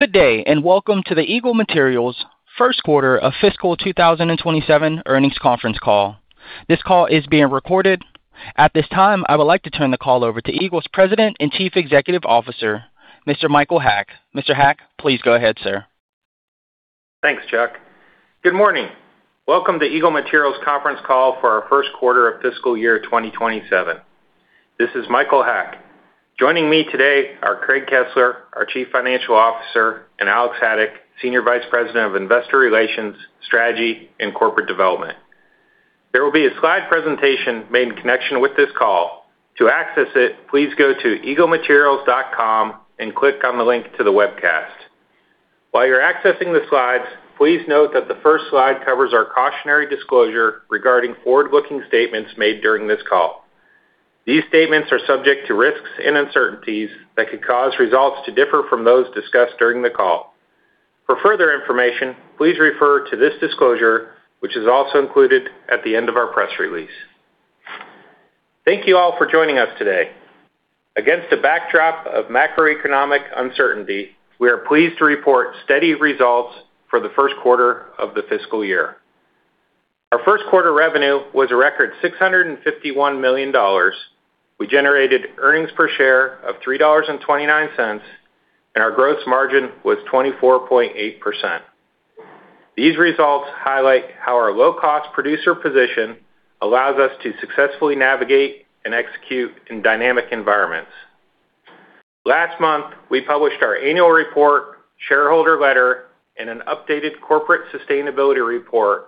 Good day. Welcome to the Eagle Materials first quarter of fiscal 2027 earnings conference call. This call is being recorded. At this time, I would like to turn the call over to Eagle's President and Chief Executive Officer, Mr. Michael Haack. Mr. Haack, please go ahead, sir. Thanks, Chuck. Good morning. Welcome to Eagle Materials conference call for our first quarter of fiscal year 2027. This is Michael Haack. Joining me today are Craig Kesler, our Chief Financial Officer, and Alex Haddock, Senior Vice President of Investor Relations, Strategy, and Corporate Development. There will be a slide presentation made in connection with this call. To access it, please go to eaglematerials.com and click on the link to the webcast. While you're accessing the slides, please note that the first slide covers our cautionary disclosure regarding forward-looking statements made during this call. These statements are subject to risks and uncertainties that could cause results to differ from those discussed during the call. For further information, please refer to this disclosure, which is also included at the end of our press release. Thank you all for joining us today. Against a backdrop of macroeconomic uncertainty, we are pleased to report steady results for the first quarter of the fiscal year. Our first quarter revenue was a record $651 million. We generated earnings per share of $3.29, and our gross margin was 24.8%. These results highlight how our low-cost producer position allows us to successfully navigate and execute in dynamic environments. Last month, we published our annual report, shareholder letter, and an updated corporate sustainability report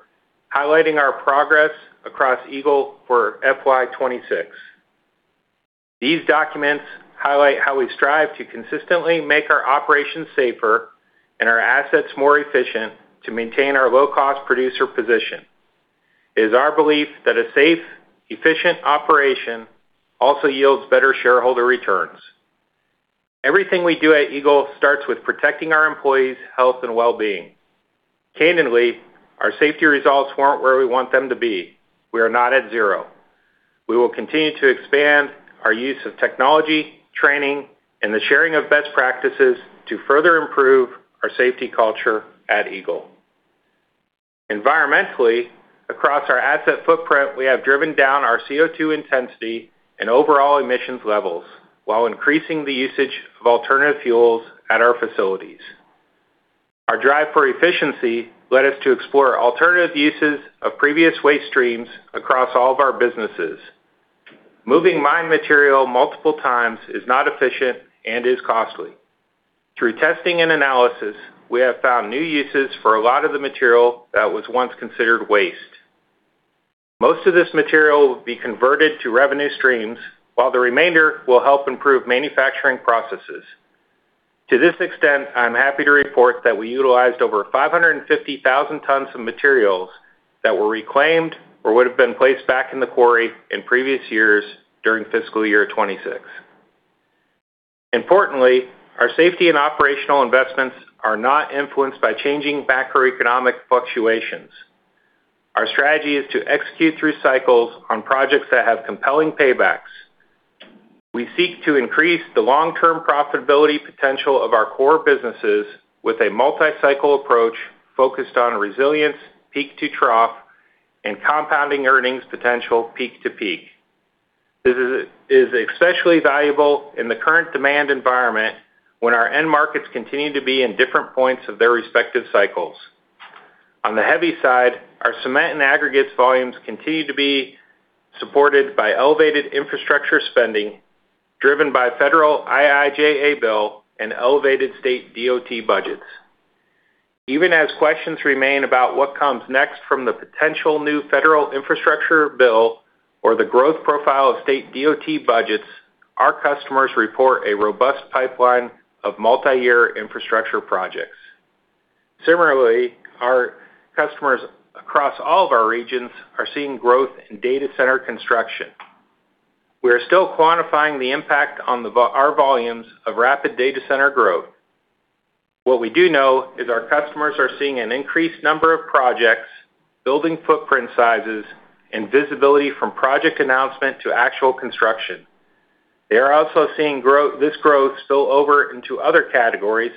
highlighting our progress across Eagle for FY 2026. These documents highlight how we strive to consistently make our operations safer and our assets more efficient to maintain our low-cost producer position. It is our belief that a safe, efficient operation also yields better shareholder returns. Everything we do at Eagle starts with protecting our employees' health and well-being. Candidly, our safety results weren't where we want them to be. We are not at zero. We will continue to expand our use of technology, training, and the sharing of best practices to further improve our safety culture at Eagle. Environmentally, across our asset footprint, we have driven down our CO2 intensity and overall emissions levels while increasing the usage of alternative fuels at our facilities. Our drive for efficiency led us to explore alternative uses of previous waste streams across all of our businesses. Moving mined material multiple times is not efficient and is costly. Through testing and analysis, we have found new uses for a lot of the material that was once considered waste. Most of this material will be converted to revenue streams, while the remainder will help improve manufacturing processes. To this extent, I'm happy to report that we utilized over 550,000 tons of materials that were reclaimed or would have been placed back in the quarry in previous years during fiscal year 2026. Importantly, our safety and operational investments are not influenced by changing macroeconomic fluctuations. Our strategy is to execute through cycles on projects that have compelling paybacks. We seek to increase the long-term profitability potential of our core businesses with a multi-cycle approach focused on resilience, peak to trough, and compounding earnings potential peak to peak. This is especially valuable in the current demand environment when our end markets continue to be in different points of their respective cycles. On the heavy side, our cement and Aggregates volumes continue to be supported by elevated infrastructure spending, driven by federal IIJA bill and elevated state DOT budgets. Even as questions remain about what comes next from the potential new federal infrastructure bill or the growth profile of state DOT budgets, our customers report a robust pipeline of multi-year infrastructure projects. Similarly, our customers across all of our regions are seeing growth in data center construction. We are still quantifying the impact on our volumes of rapid data center growth. What we do know is our customers are seeing an increased number of projects, building footprint sizes, and visibility from project announcement to actual construction. They are also seeing this growth spill over into other categories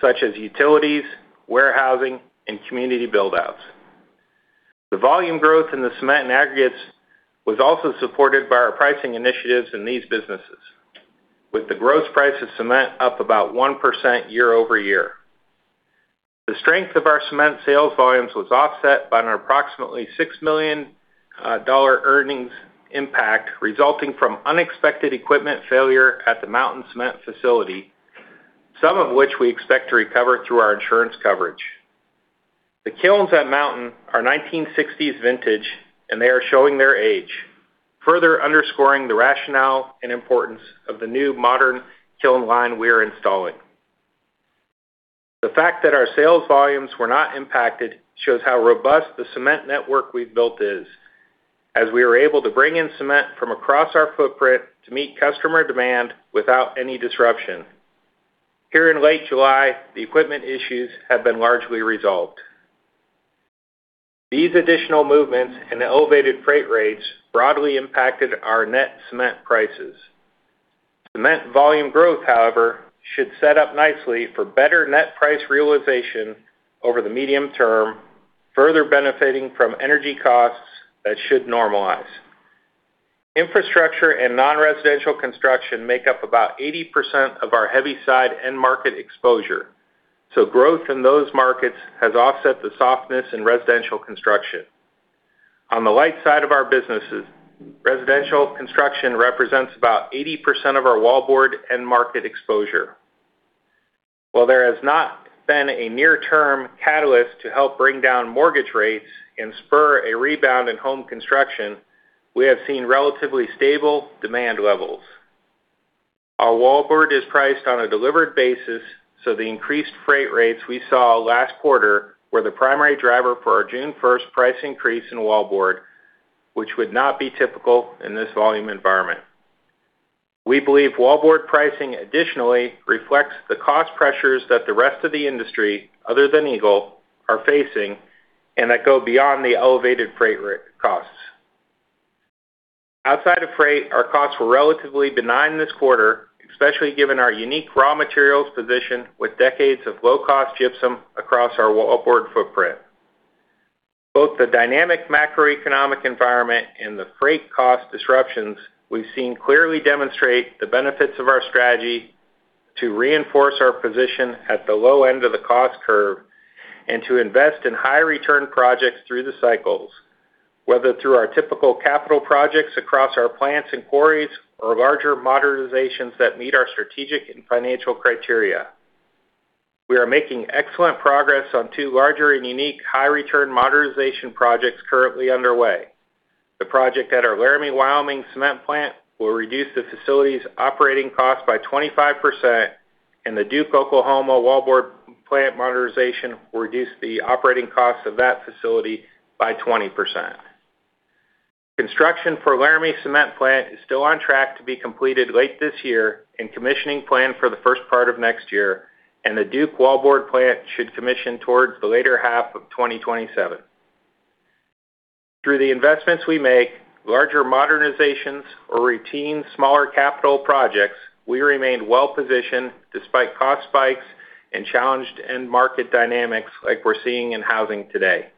such as utilities, warehousing, and community build-outs. The volume growth in the cement and Aggregates was also supported by our pricing initiatives in these businesses, with the gross price of cement up about 1% year-over-year. The strength of our cement sales volumes was offset by an approximately $6 million earnings impact resulting from unexpected equipment failure at the Mountain Cement facility, some of which we expect to recover through our insurance coverage. The kilns at Mountain are 1960s vintage, and they are showing their age, further underscoring the rationale and importance of the new modern kiln line we are installing. The fact that our sales volumes were not impacted shows how robust the cement network we've built is, as we were able to bring in cement from across our footprint to meet customer demand without any disruption. Here in late July, the equipment issues have been largely resolved. These additional movements and elevated freight rates broadly impacted our net cement prices. Cement volume growth, however, should set up nicely for better net price realization over the medium term, further benefiting from energy costs that should normalize. Infrastructure and non-residential construction make up about 80% of our heavy side end market exposure, so growth in those markets has offset the softness in residential construction. On the light side of our businesses, residential construction represents about 80% of our wallboard end market exposure. While there has not been a near-term catalyst to help bring down mortgage rates and spur a rebound in home construction, we have seen relatively stable demand levels. Our wallboard is priced on a delivered basis, so the increased freight rates we saw last quarter were the primary driver for our June 1st price increase in wallboard, which would not be typical in this volume environment. We believe wallboard pricing additionally reflects the cost pressures that the rest of the industry, other than Eagle, are facing, and that go beyond the elevated freight costs. Outside of freight, our costs were relatively benign this quarter, especially given our unique raw materials position with decades of low-cost gypsum across our wallboard footprint. Both the dynamic macroeconomic environment and the freight cost disruptions we've seen clearly demonstrate the benefits of our strategy to reinforce our position at the low end of the cost curve and to invest in high return projects through the cycles, whether through our typical capital projects across our plants and quarries, or larger modernizations that meet our strategic and financial criteria. We are making excellent progress on two larger and unique high return modernization projects currently underway. The project at our Laramie, Wyoming cement plant will reduce the facility's operating cost by 25%, and the Duke Oklahoma wallboard plant modernization will reduce the operating cost of that facility by 20%. Construction for Laramie Cement plant is still on track to be completed late this year, and commissioning planned for the first part of next year. The Duke wallboard plant should commission towards the later half of 2027. Through the investments we make, larger modernizations or routine smaller capital projects, we remain well-positioned despite cost spikes and challenged end market dynamics like we're seeing in housing today.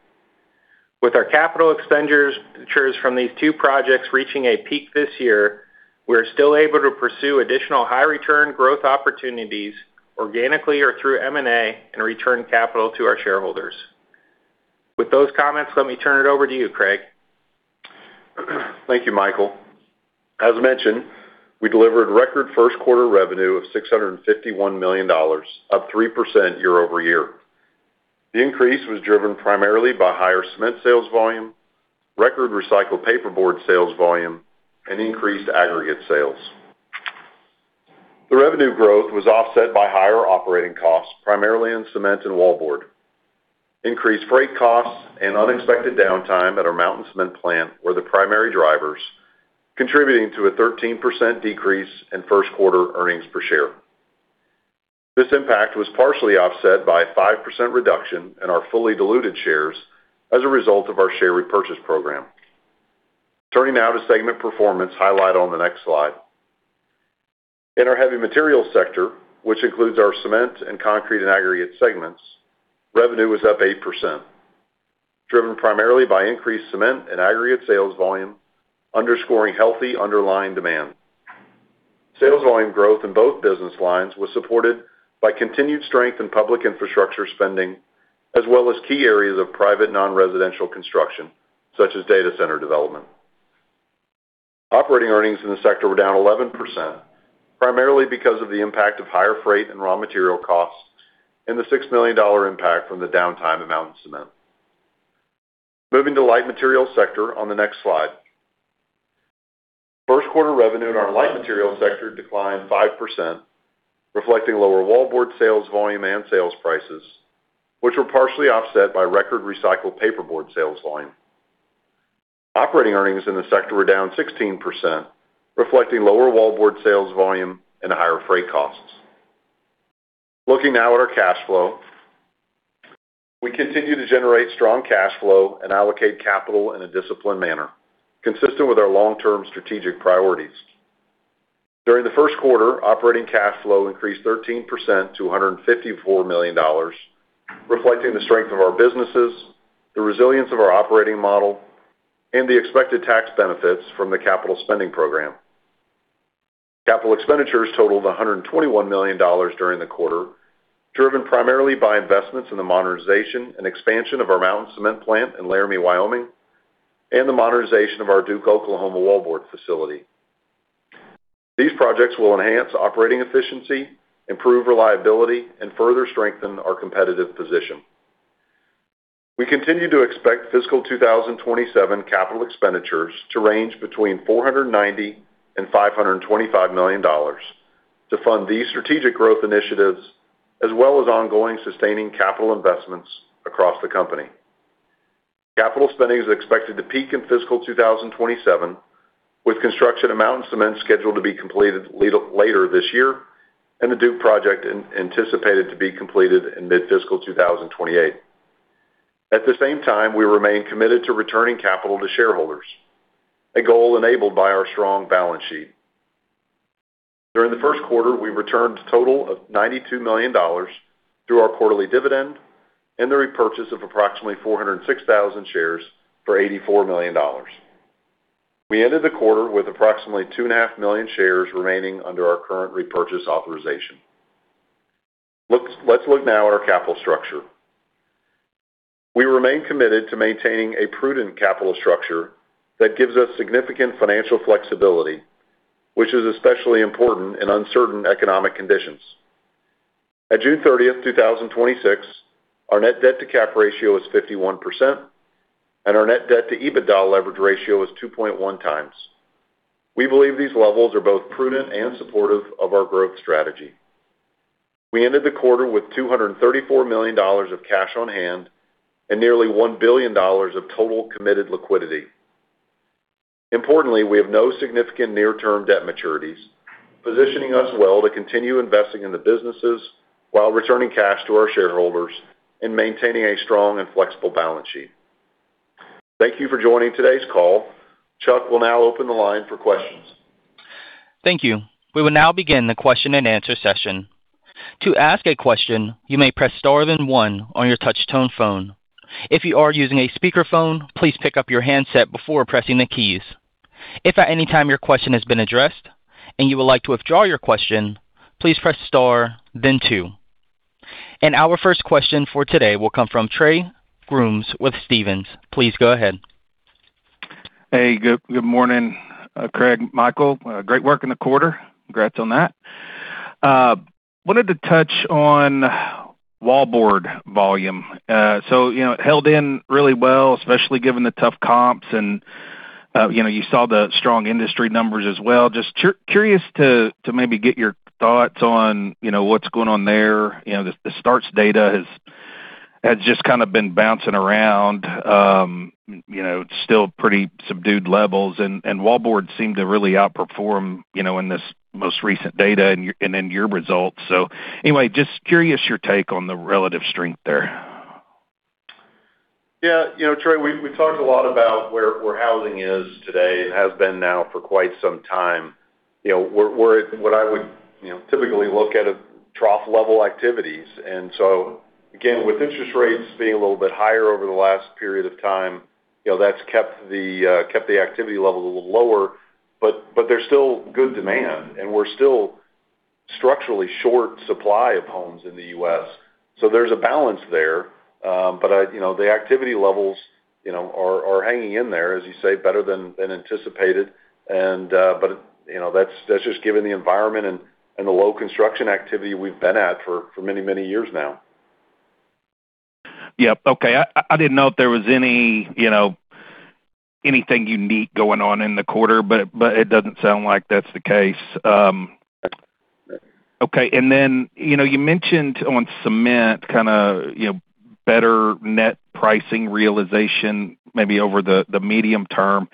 With our capital expenditures from these two projects reaching a peak this year, we're still able to pursue additional high return growth opportunities organically or through M&A, and return capital to our shareholders. With those comments, let me turn it over to you, Craig. Thank you, Michael. As mentioned, we delivered record first quarter revenue of $651 million, up 3% year-over-year. The increase was driven primarily by higher cement sales volume, record Recycled Paperboard sales volume, and increased Aggregates sales. The revenue growth was offset by higher operating costs, primarily in cement and wallboard. Increased freight costs and unexpected downtime at our Mountain Cement plant were the primary drivers, contributing to a 13% decrease in first quarter earnings per share. This impact was partially offset by a 5% reduction in our fully diluted shares as a result of our share repurchase program. Turning now to segment performance, highlighted on the next slide. In our Heavy Materials Sector, which includes our cement and concrete and Aggregates segments, revenue was up 8%, driven primarily by increased cement and Aggregates sales volume, underscoring healthy underlying demand. Sales volume growth in both business lines was supported by continued strength in public infrastructure spending, as well as key areas of private non-residential construction, such as data center development. Operating earnings in the sector were down 11%, primarily because of the impact of higher freight and raw material costs and the $6 million impact from the downtime at Mountain Cement. Moving to Light Material Sector on the next slide. First quarter revenue in our Light Material Sector declined 5%, reflecting lower wallboard sales volume and sales prices, which were partially offset by record Recycled Paperboard sales volume. Operating earnings in the sector were down 16%, reflecting lower wallboard sales volume and higher freight costs. Looking now at our cash flow. We continue to generate strong cash flow and allocate capital in a disciplined manner, consistent with our long-term strategic priorities. During the first quarter, operating cash flow increased 13% to $154 million, reflecting the strength of our businesses, the resilience of our operating model, and the expected tax benefits from the capital spending program. Capital expenditures totaled $121 million during the quarter, driven primarily by investments in the modernization and expansion of our Mountain Cement plant in Laramie, Wyoming, and the modernization of our Duke Oklahoma wallboard facility. These projects will enhance operating efficiency, improve reliability, and further strengthen our competitive position. We continue to expect fiscal 2027 capital expenditures to range between $490 million and $525 million to fund these strategic growth initiatives, as well as ongoing sustaining capital investments across the company. Capital spending is expected to peak in fiscal 2027 with construction of Mountain Cement scheduled to be completed later this year, and the Duke project anticipated to be completed in mid-fiscal 2028. At the same time, we remain committed to returning capital to shareholders, a goal enabled by our strong balance sheet. During the first quarter, we returned a total of $92 million through our quarterly dividend and the repurchase of approximately 406,000 shares for $84 million. We ended the quarter with approximately two and a half million shares remaining under our current repurchase authorization. Let's look now at our capital structure. We remain committed to maintaining a prudent capital structure that gives us significant financial flexibility, which is especially important in uncertain economic conditions. At June 30th, 2026, our net debt to cap ratio is 51%, and our net debt to EBITDA leverage ratio is 2.1 times. We believe these levels are both prudent and supportive of our growth strategy. We ended the quarter with $234 million of cash on hand and nearly $1 billion of total committed liquidity. Importantly, we have no significant near-term debt maturities, positioning us well to continue investing in the businesses while returning cash to our shareholders and maintaining a strong and flexible balance sheet. Thank you for joining today's call. Chuck will now open the line for questions. Thank you. We will now begin the question and answer session. To ask a question, you may press star then one on your touch tone phone. If you are using a speakerphone, please pick up your handset before pressing the keys. If at any time your question has been addressed and you would like to withdraw your question, please press star, then two. Our first question for today will come from Trey Grooms with Stephens. Please go ahead. Hey, good morning, Craig and Michael. Great work in the quarter. Congrats on that. Wanted to touch on wallboard volume. It held in really well, especially given the tough comps and you saw the strong industry numbers as well. Just curious to maybe get your thoughts on what's going on there. The starts data has just kind of been bouncing around. It's still pretty subdued levels and wallboard seemed to really outperform in this most recent data and in your results. Just curious your take on the relative strength there. Yeah, Trey, we talked a lot about where housing is today and has been now for quite some time. What I would typically look at, is trough level activities. Again, with interest rates being a little bit higher over the last period of time, that's kept the activity level a little lower, but there's still good demand, and we're still structurally short supply of homes in the U.S. There's a balance there. The activity levels are hanging in there, as you say, better than anticipated. That's just given the environment and the low construction activity we've been at for many, many years now. Yep. Okay. I didn't know if there was anything unique going on in the quarter, but it doesn't sound like that's the case. You mentioned on cement, kind of better net pricing realization maybe over the medium term,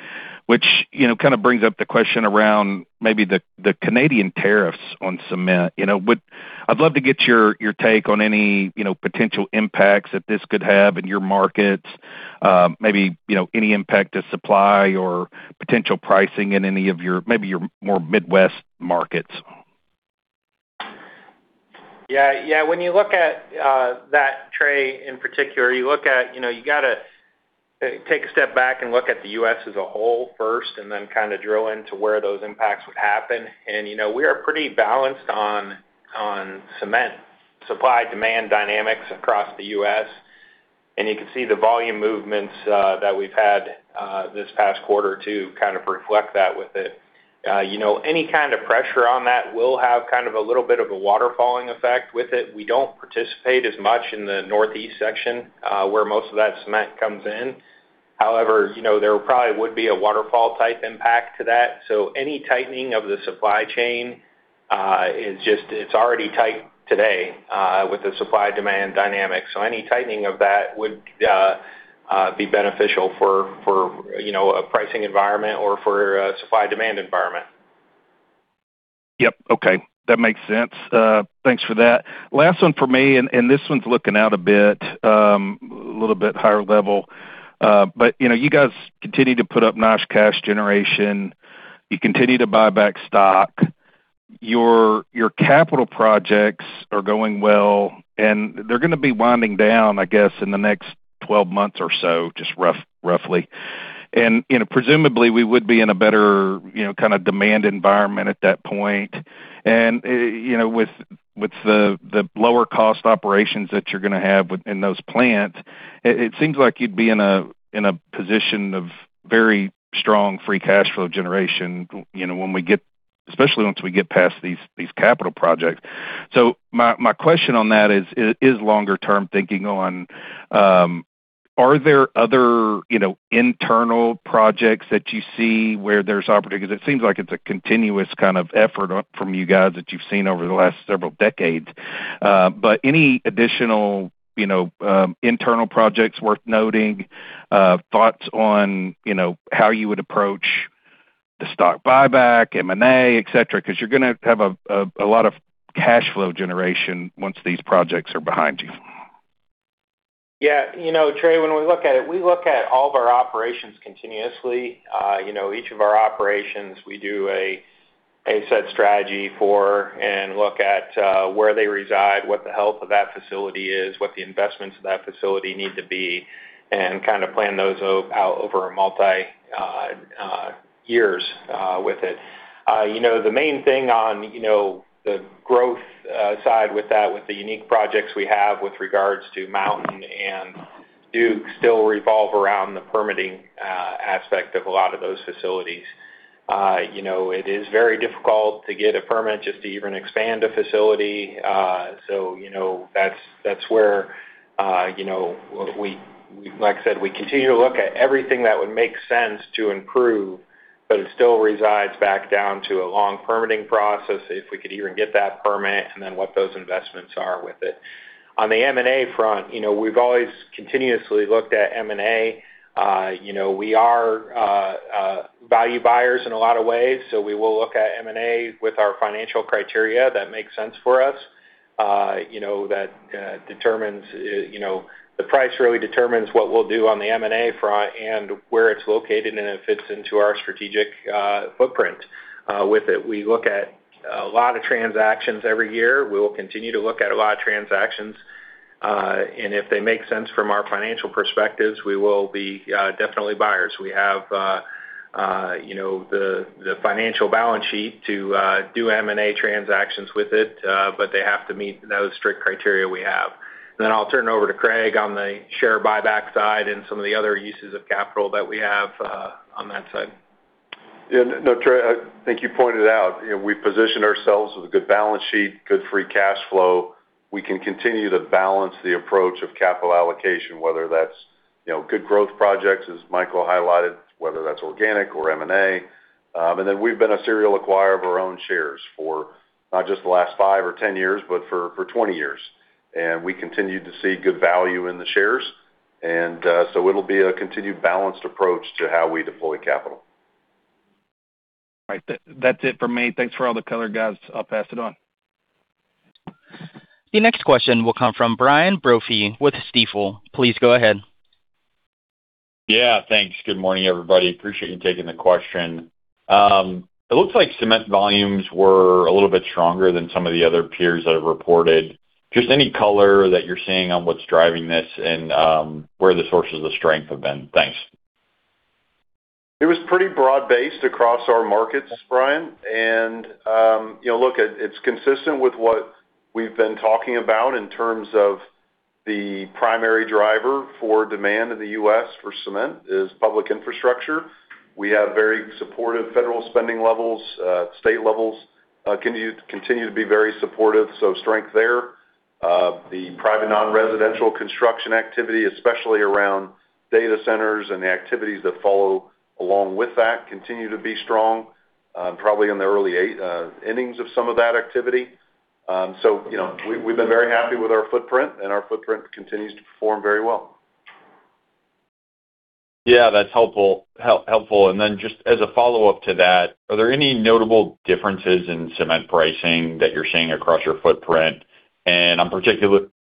which kind of brings up the question around maybe the Canadian tariffs on cement. I'd love to get your take on any potential impacts that this could have in your markets. Maybe any impact to supply or potential pricing in any of maybe your more Midwest markets. Yeah. When you look at that, Trey, in particular, you got to take a step back and look at the U.S. as a whole first, and then kind of drill into where those impacts would happen. We are pretty balanced on cement supply-demand dynamics across the U.S., and you can see the volume movements that we've had this past quarter to kind of reflect that with it. Any kind of pressure on that will have kind of a little bit of a waterfalling effect with it. We don't participate as much in the Northeast section, where most of that cement comes in. However, there probably would be a waterfall type impact to that. Any tightening of the supply chain, it's already tight today with the supply-demand dynamics. Any tightening of that would be beneficial for a pricing environment or for a supply-demand environment. Yep. Okay. That makes sense. Thanks for that. Last one for me. This one's looking out a bit, a little bit higher level. You guys continue to put up nice cash generation. You continue to buy back stock. Your capital projects are going well, and they're going to be winding down, I guess, in the next 12 months or so, just roughly. Presumably, we would be in a better kind of demand environment at that point. With the lower cost operations that you're going to have within those plants, it seems like you'd be in a position of very strong free cash flow generation, especially once we get past these capital projects. My question on that is longer term thinking on, are there other internal projects that you see where there's opportunities? It seems like it's a continuous kind of effort from you guys that you've seen over the last several decades. Any additional internal projects worth noting, thoughts on how you would approach the stock buyback, M&A, et cetera? Because you're going to have a lot of cash flow generation once these projects are behind you. Yeah. Trey, when we look at it, we look at all of our operations continuously. Each of our operations, we do a set strategy for and look at where they reside, what the health of that facility is, what the investments of that facility need to be, and plan those out over multi years with it. The main thing on the growth side with that, with the unique projects we have with regards to Mountain and Duke, still revolve around the permitting aspect of a lot of those facilities. It is very difficult to get a permit just to even expand a facility. That's where, like I said, we continue to look at everything that would make sense to improve, but it still resides back down to a long permitting process, if we could even get that permit, and then what those investments are with it. On the M&A front, we've always continuously looked at M&A. We are value buyers in a lot of ways, so we will look at M&A with our financial criteria that makes sense for us. The price really determines what we'll do on the M&A front and where it's located, and it fits into our strategic footprint with it. We look at a lot of transactions every year. We will continue to look at a lot of transactions. If they make sense from our financial perspectives, we will be definitely buyers. We have the financial balance sheet to do M&A transactions with it, but they have to meet those strict criteria we have. Then I'll turn it over to Craig on the share buyback side and some of the other uses of capital that we have on that side. Trey, I think you pointed out, we positioned ourselves with a good balance sheet, good free cash flow. We can continue to balance the approach of capital allocation, whether that's good growth projects, as Michael highlighted, whether that's organic or M&A. We've been a serial acquirer of our own shares for not just the last five or 10 years, but for 20 years. We continue to see good value in the shares. It'll be a continued balanced approach to how we deploy capital. All right. That's it for me. Thanks for all the color, guys. I'll pass it on. The next question will come from Brian Brophy with Stifel. Please go ahead. Thanks. Good morning, everybody. Appreciate you taking the question. It looks like cement volumes were a little bit stronger than some of the other peers that have reported. Just any color that you're seeing on what's driving this and where the sources of strength have been. Thanks. It was pretty broad-based across our markets, Brian. Look, it's consistent with what we've been talking about in terms of the primary driver for demand in the U.S. for cement is public infrastructure. We have very supportive federal spending levels. State levels continue to be very supportive, so strength there. The private non-residential construction activity, especially around data centers and the activities that follow along with that, continue to be strong, probably in the early innings of some of that activity. We've been very happy with our footprint, and our footprint continues to perform very well. Yeah, that's helpful. Then just as a follow-up to that, are there any notable differences in cement pricing that you're seeing across your footprint? I'm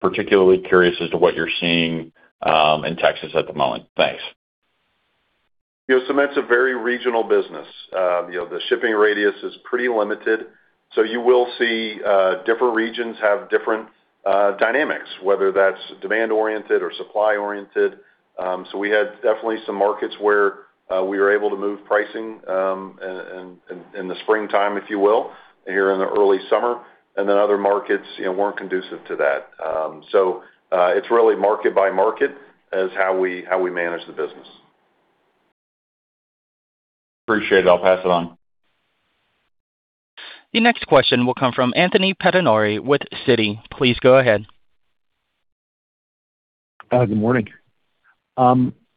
particularly curious as to what you're seeing in Texas at the moment. Thanks. Cement is a very regional business. The shipping radius is pretty limited. You will see different regions have different dynamics, whether that's demand-oriented or supply-oriented. We had definitely some markets where we were able to move pricing in the springtime, if you will, here in the early summer, then other markets weren't conducive to that. It's really market by market is how we manage the business. Appreciate it. I'll pass it on. The next question will come from Anthony Pettinari with Citi. Please go ahead. Good morning.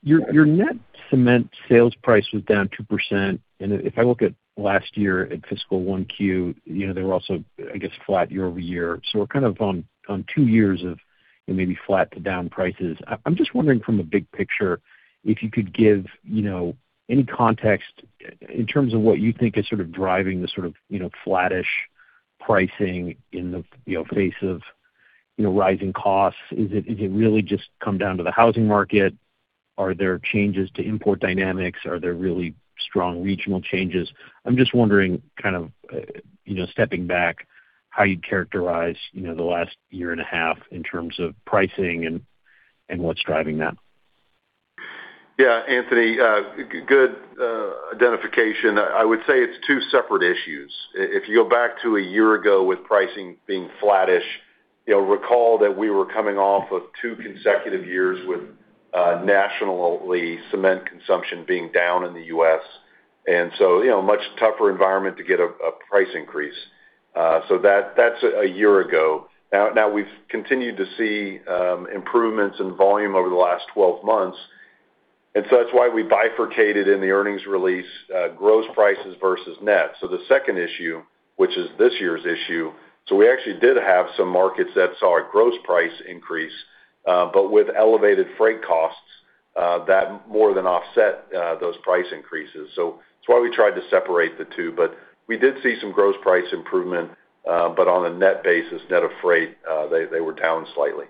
Your net cement sales price was down 2%. If I look at last year at fiscal 1Q, they were also, I guess, flat year-over-year. We're kind of on two years of maybe flat to down prices. I'm just wondering from a big picture, if you could give any context in terms of what you think is sort of driving the sort of flat-ish pricing in the face of rising costs. Is it really just come down to the housing market? Are there changes to import dynamics? Are there really strong regional changes? I'm just wondering, kind of stepping back, how you'd characterize the last year and a half in terms of pricing and what's driving that. Yeah, Anthony. Good identification. I would say it's two separate issues. If you go back to a year ago with pricing being flat-ish, recall that we were coming off of two consecutive years with nationally cement consumption being down in the U.S. Much tougher environment to get a price increase. That's a year ago. Now we've continued to see improvements in volume over the last 12 months. That's why we bifurcated in the earnings release, gross prices versus net. The second issue, which is this year's issue, we actually did have some markets that saw a gross price increase, with elevated freight costs, that more than offset those price increases. That's why we tried to separate the two. We did see some gross price improvement, on a net basis, net of freight, they were down slightly.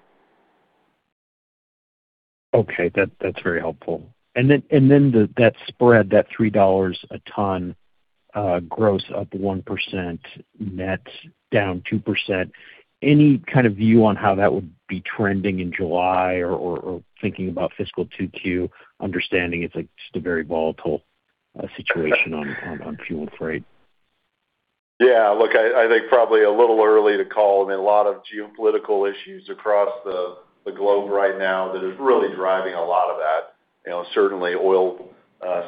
Okay. That's very helpful. That spread, that $3 a ton, gross up 1%, net down 2%. Any kind of view on how that would be trending in July or thinking about fiscal 2Q, understanding it's just a very volatile situation on fuel and freight? Yeah. Look, I think probably a little early to call. I mean, a lot of geopolitical issues across the globe right now that is really driving a lot of that. Certainly, oil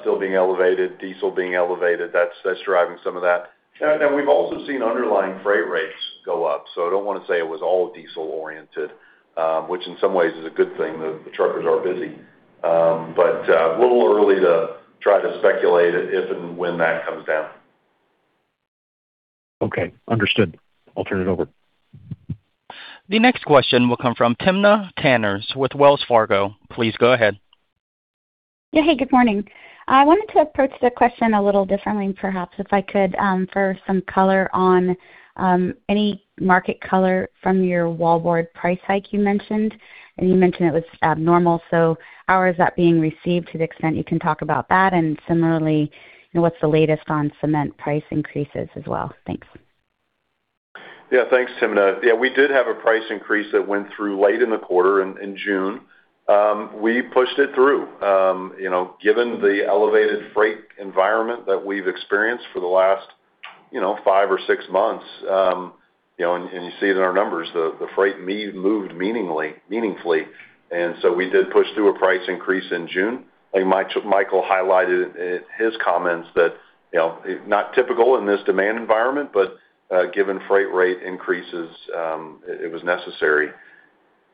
still being elevated, diesel being elevated, that's driving some of that. We've also seen underlying freight rates go up. I don't want to say it was all diesel-oriented, which in some ways is a good thing that the truckers are busy. A little early to try to speculate if and when that comes down. Okay. Understood. I'll turn it over. The next question will come from Timna Tanners with Wells Fargo. Please go ahead. Yeah. Hey, good morning. I wanted to approach the question a little differently perhaps, if I could, for some color on any market color from your wallboard price hike you mentioned, and you mentioned it was abnormal. How is that being received to the extent you can talk about that? Similarly, what's the latest on cement price increases as well? Thanks. Thanks, Timna. We did have a price increase that went through late in the quarter, in June. We pushed it through given the elevated freight environment that we've experienced for the last five or six months. You see it in our numbers, the freight moved meaningfully. So we did push through a price increase in June. Michael highlighted in his comments that, not typical in this demand environment, but given freight rate increases, it was necessary.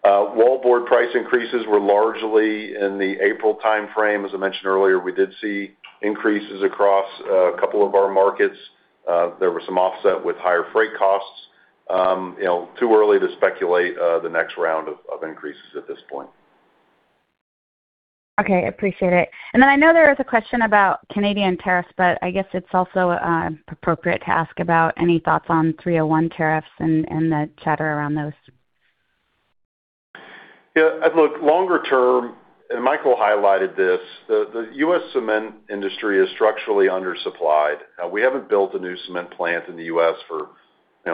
wallboard price increases were largely in the April timeframe. As I mentioned earlier, we did see increases across a couple of our markets. There was some offset with higher freight costs. Too early to speculate the next round of increases at this point. I appreciate it. I know there was a question about Canadian tariffs, but I guess it's also appropriate to ask about any thoughts on Section 301 tariffs and the chatter around those. Look, longer term, Michael highlighted this, the U.S. cement industry is structurally undersupplied. We haven't built a new cement plant in the U.S. for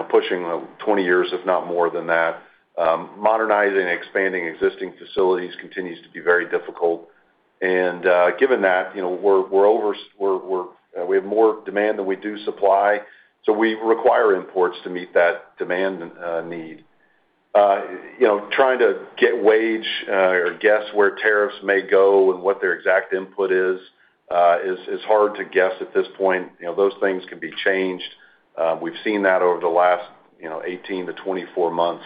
pushing 20 years, if not more than that. Modernizing and expanding existing facilities continues to be very difficult. Given that, we have more demand than we do supply, so we require imports to meet that demand need. Trying to get a read on or guess where tariffs may go and what their exact input is hard to guess at this point. Those things can be changed. We've seen that over the last 18-24 months.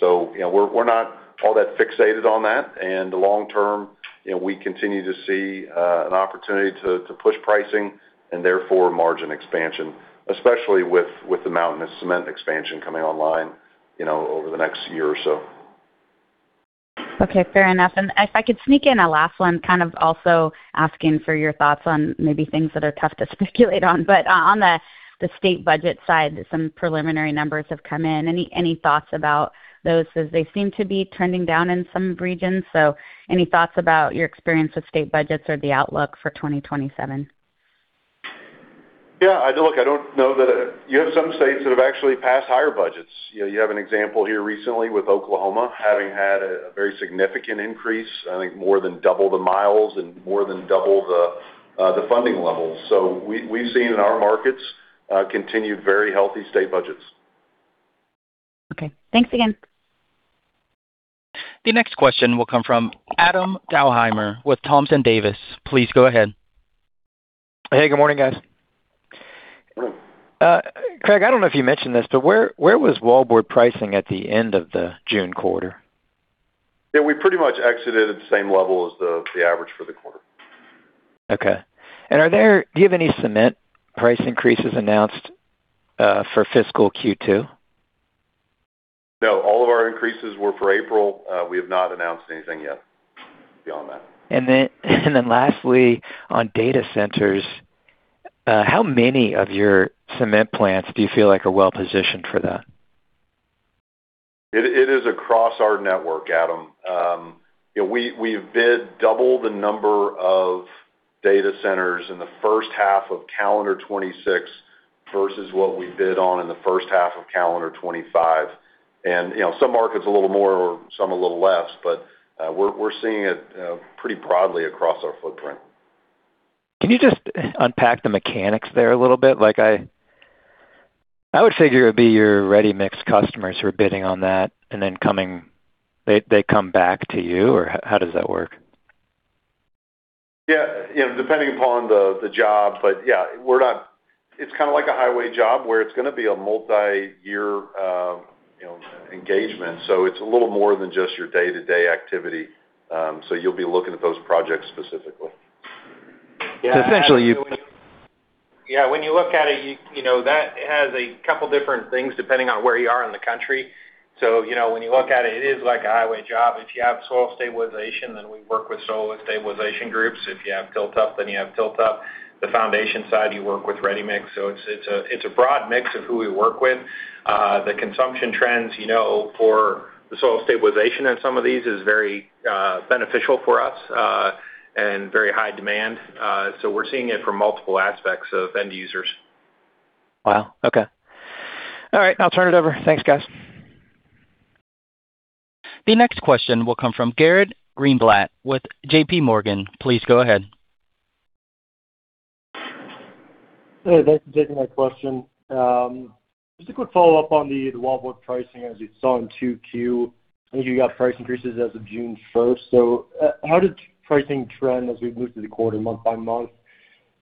We're not all that fixated on that. Long term, we continue to see an opportunity to push pricing and therefore margin expansion, especially with the Mountain Cement expansion coming online over the next year or so. Fair enough. If I could sneak in a last one, kind of also asking for your thoughts on maybe things that are tough to speculate on, but on the state budget side, some preliminary numbers have come in. Any thoughts about those, as they seem to be trending down in some regions? Any thoughts about your experience with state budgets or the outlook for 2027? Yeah. Look, I don't know that. You have some states that have actually passed higher budgets. You have an example here recently with Oklahoma having had a very significant increase, I think more than double the miles and more than double the funding levels. We've seen in our markets continued very healthy state budgets. Okay. Thanks again. The next question will come from Adam Thalhimer with Thompson Davis. Please go ahead. Hey, good morning, guys. Good morning. Craig, I don't know if you mentioned this, where was wallboard pricing at the end of the June quarter? Yeah. We pretty much exited at the same level as the average for the quarter. Okay. Do you have any cement price increases announced for fiscal Q2? No, all of our increases were for April. We have not announced anything yet beyond that. Lastly, on data centers, how many of your cement plants do you feel like are well-positioned for that? It is across our network, Adam. We bid double the number of data centers in the first half of calendar 2026 versus what we bid on in the first half of calendar 2025. Some markets a little more or some a little less, but we're seeing it pretty broadly across our footprint. Can you just unpack the mechanics there a little bit? I would figure it would be your ready-mix customers who are bidding on that and then they come back to you, or how does that work? Yeah. Depending upon the job. Yeah, it's kind of like a highway job where it's going to be a multi-year engagement. It's a little more than just your day-to-day activity. You'll be looking at those projects specifically. Yeah. Essentially, you- Yeah, when you look at it, that has a couple different things depending on where you are in the country. When you look at it is like a highway job. If you have soil stabilization, then we work with soil stabilization groups. If you have tilt up, then you have tilt up. The foundation side, you work with ready-mix. It's a broad mix of who we work with. The consumption trends for the soil stabilization in some of these is very beneficial for us, and very high demand. We're seeing it from multiple aspects of end users. Wow, okay. All right, I'll turn it over. Thanks, guys. The next question will come from Garrett Greenblatt with JPMorgan. Please go ahead. Hey, thanks for taking my question. Just a quick follow-up on the wallboard pricing. As you saw in 2Q, I think you got price increases as of June 1st. How did pricing trend as we moved through the quarter month by month?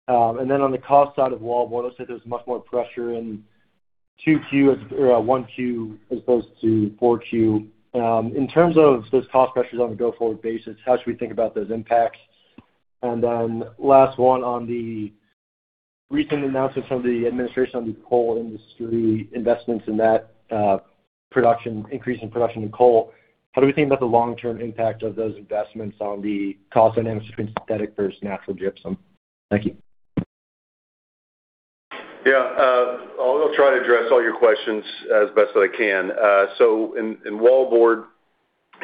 On the cost side of wallboard, it looks like there was much more pressure in 1Q as opposed to 4Q. In terms of those cost pressures on a go-forward basis, how should we think about those impacts? Last one on the recent announcement from the administration on the coal industry investments in that increase in production in coal. How do we think about the long-term impact of those investments on the cost dynamics between synthetic versus natural gypsum? Thank you. I'll try to address all your questions as best that I can. In wallboard,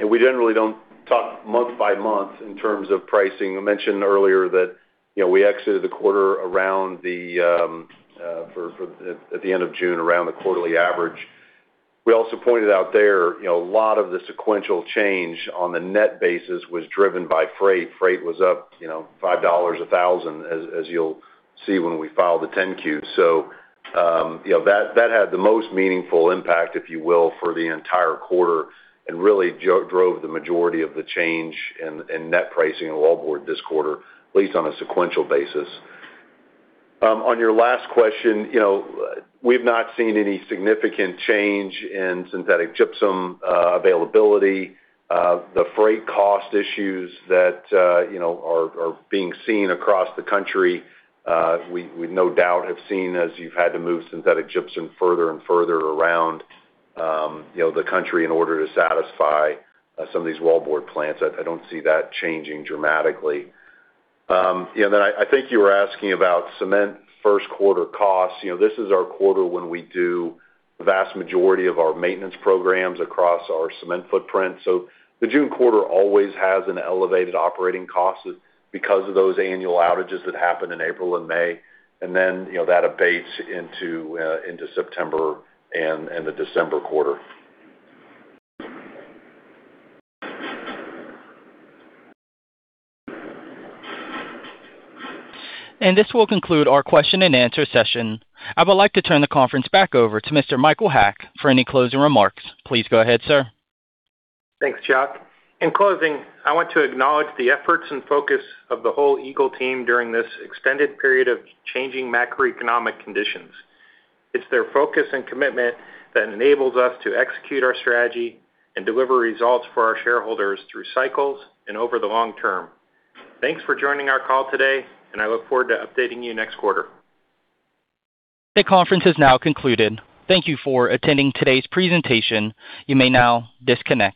we generally don't talk month by month in terms of pricing. I mentioned earlier that we exited the quarter at the end of June around the quarterly average. We also pointed out there, a lot of the sequential change on the net basis was driven by freight. Freight was up $5 a thousand, as you'll see when we file the 10-Q. That had the most meaningful impact, if you will, for the entire quarter and really drove the majority of the change in net pricing in wallboard this quarter, at least on a sequential basis. On your last question, we've not seen any significant change in synthetic gypsum availability. The freight cost issues that are being seen across the country, we no doubt have seen as you've had to move synthetic gypsum further and further around the country in order to satisfy some of these wallboard plants. I don't see that changing dramatically. I think you were asking about cement first quarter costs. This is our quarter when we do the vast majority of our maintenance programs across our cement footprint. The June quarter always has an elevated operating cost because of those annual outages that happen in April and May. That abates into September and the December quarter. This will conclude our question and answer session. I would like to turn the conference back over to Mr. Michael Haack for any closing remarks. Please go ahead, sir. Thanks, Chuck. In closing, I want to acknowledge the efforts and focus of the whole Eagle team during this extended period of changing macroeconomic conditions. It's their focus and commitment that enables us to execute our strategy and deliver results for our shareholders through cycles and over the long term. Thanks for joining our call today, and I look forward to updating you next quarter. The conference has now concluded. Thank you for attending today's presentation. You may now disconnect.